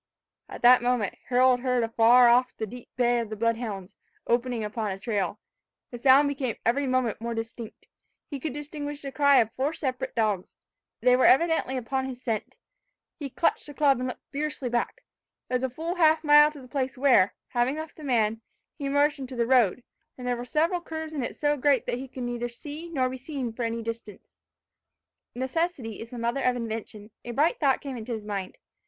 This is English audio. At that moment, Harold heard afar off the deep bay of the blood hounds, opening upon a trail. The sound became every moment more distinct. He could distinguish the cry of four separate dogs. They were evidently upon his scent. He clutched his club, and looked fiercely back. It was a full half mile to the place where, having left the man, he emerged into the road; and there were several curves in it so great that he could neither see nor be seen for any distance. Necessity is the mother of invention. A bright thought came into his mind.